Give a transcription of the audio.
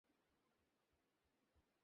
এটা বন্ধ হচ্ছে না কেন?